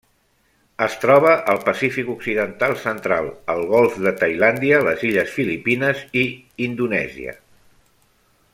Es troba al Pacífic occidental central: el golf de Tailàndia, les illes Filipines i Indonèsia.